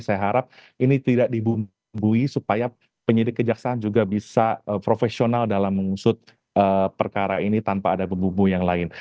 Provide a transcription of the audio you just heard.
saya harap ini tidak dibumbui supaya penyidik kejaksaan juga bisa profesional dalam mengusut perkara ini tanpa ada pembubu yang lain